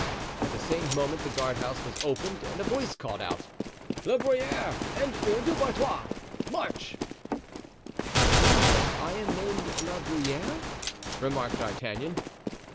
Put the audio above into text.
At the same moment the guardhouse was opened and a voice called out: "La Bruyere and Du Barthois! March!" "It seems that I am named La Bruyere," remarked D'Artagnan.